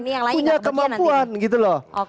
punya kemampuan gitu loh